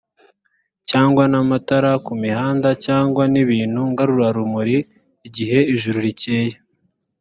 cyangwa n amatara ku mihanda cyangwa n ibintu ngarurarumuri igihe ijuru rikeye